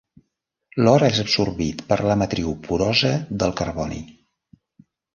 L'or és absorbit per la matriu porosa del carboni.